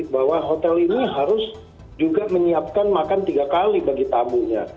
bahwa hotel ini harus juga menyiapkan makan tiga kali bagi tamunya